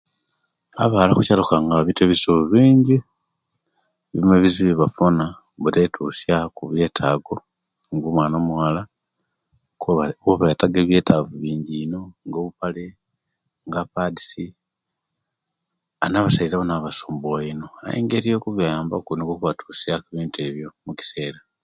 Abawala okukyaalo kyange babiita omubizibu bingi egimo omubizibu ebibafuna obutwetusyaku ebyetaago nga omwaana omuwala kuba aba yetaaga ebyetaago biing iino nga empale nga epads aaa na'basaiza bona babasumbuwa iino naye engeri yokubayambaku nikwo okubatusyaku ebintu ebyo omukiseera